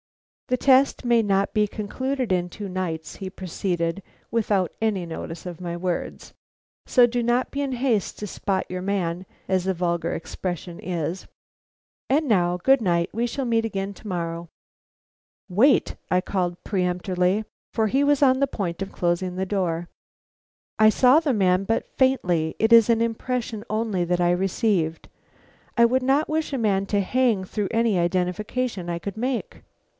"The test may not be concluded in two nights," he proceeded, without any notice of my words. "So do not be in haste to spot your man, as the vulgar expression is. And now good night we shall meet again to morrow." "Wait!" I called peremptorily, for he was on the point of closing the door. "I saw the man but faintly; it is an impression only that I received. I would not wish a man to hang through any identification I could make."